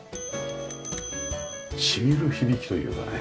染みる響きというかね。